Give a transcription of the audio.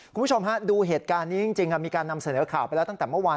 คุณผู้ชมฮะดูเหตุการณ์นี้จริงมีการนำเสนอข่าวไปแล้วตั้งแต่เมื่อวาน